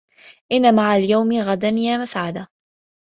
إن مع اليوم غدا يا مسعدة